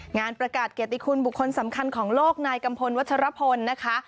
งานประกาศเกียรติคุณบุคคลสำคัญของโลกนายกัมพลวัชรพลนะคะ